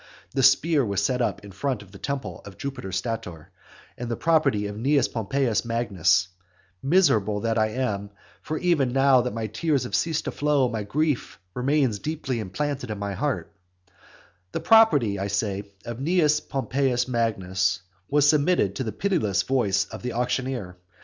The spear was set up in front of the temple of Jupiter Stator, and the property of Cnaeus Pompeius Magnus (miserable that I am, for even now that my tears have ceased to flow, my grief remains deeply implanted in my heart,) the property, I say, of Cnaeus Pompeius the Great was submitted to the pitiless, voice of the auctioneer.